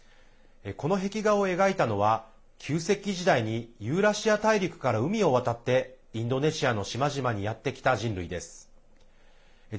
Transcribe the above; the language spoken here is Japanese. この壁画を描いたのは旧石器時代にユーラシア大陸から海を渡ってインドネシアの島々にやってきた人類です。